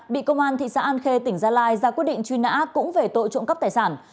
bị công an thị xã an khê tỉnh gia lai ra quyết định truy nã cũng về tội trộm cắp tài sản